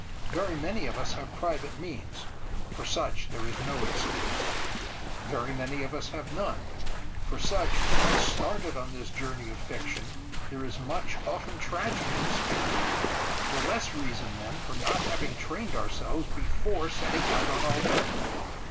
Very many of us have private means; for such there is no excuse. Very many of us have none; for such, once started on this journey of fiction, there is much, often tragic, excuse—the less reason then for not having trained ourselves before setting out on our way.